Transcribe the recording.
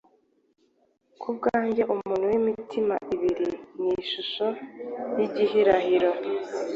Ku bwanjye, “umuntu w’imitima ibiri” ni ishusho y’igihirahiro